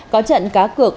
có trận cá cược